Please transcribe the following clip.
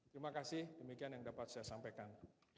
terima kasih demikian yang dapat saya sampaikan